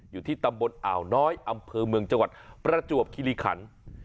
อยู่ที่ตำบลอ่าวน้อยอำเภอเมืองจังหวัดประจวบคิริขัน